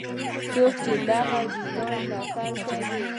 څوک چې دغه ډیزاین ملاتړ کوي.